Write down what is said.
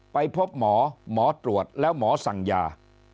ไปพบหมอหมอตรวจแล้วหมอสั่งยา